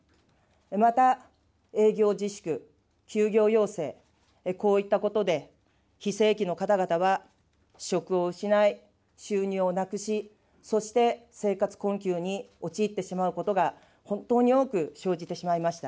また、営業自粛、休業要請、こういったことで非正規の方々は職を失い、収入をなくし、そして生活困窮に陥ってしまうことが本当に多く生じてしまいました。